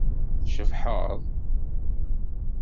Tcebḥeḍ.